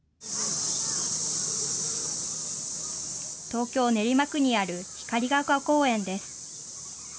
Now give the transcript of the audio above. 東京・練馬区にある光が丘公園です。